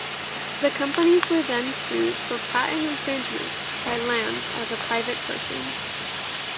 The companies were then sued for patent infringement by Lans, as a private person.